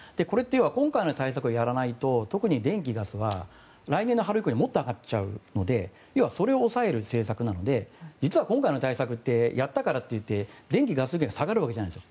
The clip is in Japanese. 今回の対策をやらないと特に電気・ガスは来年の春以降にもっと上がっちゃうのでそれを抑える政策なので今回の政策ってやったからと言って電気・ガスが下がるわけじゃないんです。